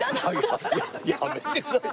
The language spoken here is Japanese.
やめてください。